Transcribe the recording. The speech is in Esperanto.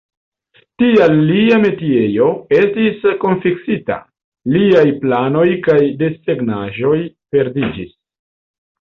Tial lia metiejo estis konfiskita; liaj planoj kaj desegnaĵoj perdiĝis.